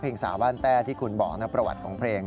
สาวบ้านแต้ที่คุณบอกนะประวัติของเพลง